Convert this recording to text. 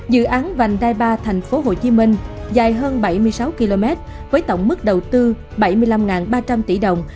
dự án vành đai ba thành phố hồ chí minh dài hơn bảy mươi sáu km với tổng mức đầu tư bảy mươi năm ba trăm linh tỷ đồng